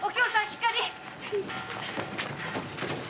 しっかり。